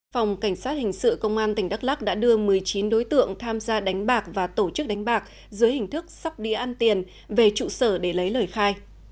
phòng cảnh sát hình sự công an tỉnh đắk lắc đã đưa một mươi chín đối tượng tham gia đánh bạc và tổ chức đánh bạc dưới hình thức sóc đĩa ăn tiền về trụ sở để lấy lời khai